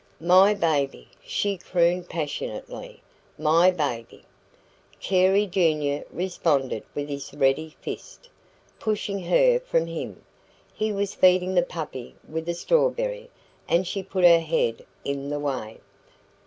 "My baby," she crooned passionately, "MY baby!" Carey Junior responded with his ready fist, pushing her from him. He was feeding the puppy with a strawberry, and she put her head in the way.